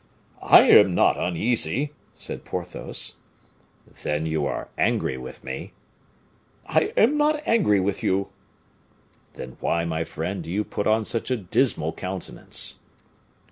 "I am not uneasy," said Porthos. "Then you are angry with me." "I am not angry with you." "Then why, my friend, do you put on such a dismal countenance?"